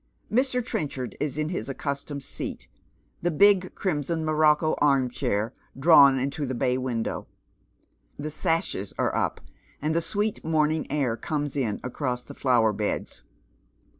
Mr. Trenchard is in his accustomed seat, the big crimson morocco arm chair drawn into the bay window. The sashes are up, and the sweet morning air comes in across the flower beds.